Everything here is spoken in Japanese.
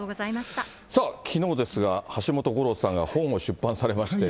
さあ、きのうですが、橋本五郎さんが本を出版されまして。